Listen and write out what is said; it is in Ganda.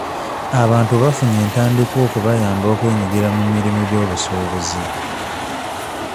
Abantu bafunye entandikwa okubayamba okwenyigira mu mirimu gy'obusuubuzi.